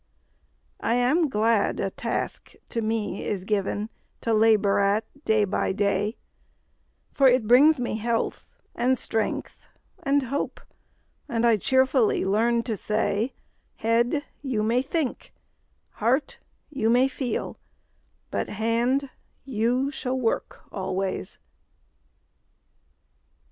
I am glad a task to me is given To labor at day by day; For it brings me health, and strength, and hope, And I cheerfully learn to say 'Head, you may think; heart, you may feel; But hand, you shall work always!'